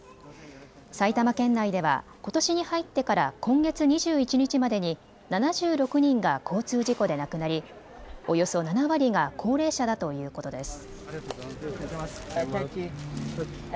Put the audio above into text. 埼玉県内ではことしに入ってから今月２１日までに７６人が交通事故で亡くなりおよそ７割が高齢者だということです。